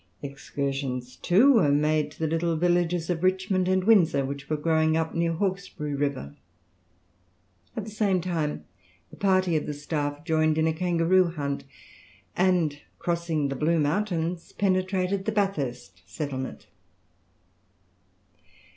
Excursions too were made to the little villages of Richmond and Windsor, which were growing up near Hawkesbury river. At the same time a party of the staff joined in a kangaroo hunt, and crossing the Blue Mountains penetrated the Bathurst settlement.